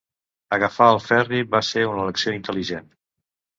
Agafar el ferri va ser una elecció intel·ligent.